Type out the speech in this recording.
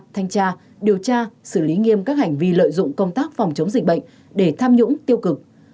thanh tra điều tra xử lý nghiêm các hành vi lợi dụng công tác phòng chống dịch bệnh để tham nhũng tiêu cực